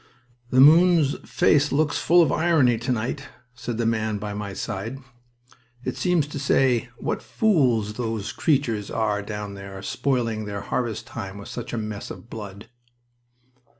"The moon's face looks full of irony to night," said the man by my side. "It seems to say, `What fools those creatures are down there, spoiling their harvest time with such a mess of blood!'"